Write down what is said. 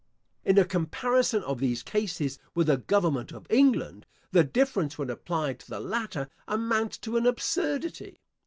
In a comparison of these cases with the Government of England, the difference when applied to the latter amounts to an absurdity.